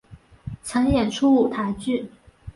曾演出舞台剧。